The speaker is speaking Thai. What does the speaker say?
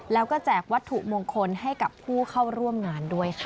แล้วก็แจกวัตถุมงคลให้กับผู้เข้าร่วมงานด้วยค่ะ